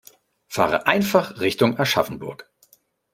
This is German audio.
Fahre einfach Richtung Aschaffenburg